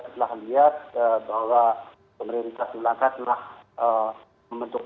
ketika hai mesin diketuk